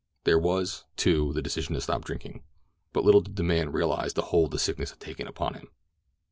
There was, too, the decision to stop drinking; but little did the man realize the hold the sickness had taken upon him.